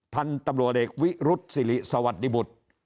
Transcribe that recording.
ท่านตำรวจเอกวิรุษฎิสวัสดิบุตร